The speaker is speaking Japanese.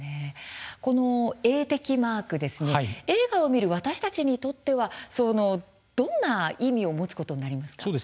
この映適マーク映画を見る私たちにとってはどんな意味を持つことになりますか。